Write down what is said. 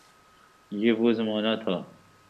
یہ وہ زمانہ تھا۔